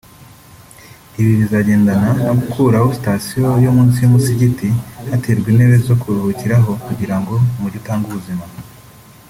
Ibi bizagendana no gukuraho sitasiyo yo munsi y’umusigiti hagaterwa intebe zo kuruhukiraho kugirango umujyi utange ubuzima